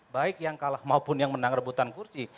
baik yang kalah maupun yang menang rebutan kursi